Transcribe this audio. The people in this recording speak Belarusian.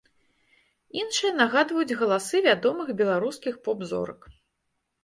Іншыя нагадваюць галасы вядомых беларускіх поп-зорак.